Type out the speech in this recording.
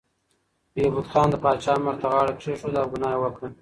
بهبود خان د پاچا امر ته غاړه کېښوده او ګناه یې وکړه.